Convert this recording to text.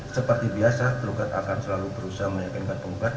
seperti biasa tergugat akan selalu berusaha meyakinkan penggugat